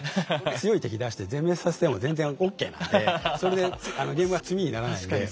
強い敵出して全滅させても全然ＯＫなんでそれでゲームは詰みにならないんで。